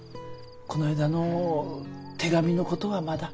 こないだの手紙のことはまだ？